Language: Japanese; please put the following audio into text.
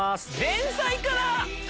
前菜から！